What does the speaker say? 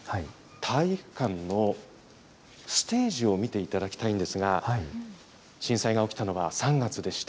体育館のステージを見ていただきたいんですが、震災が起きたのは３月でした。